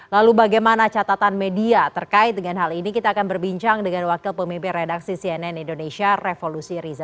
lalu bagaimana catatan media terkait dengan hal ini kita akan berbincang dengan wakil pemimpin redaksi cnn indonesia revolusi riza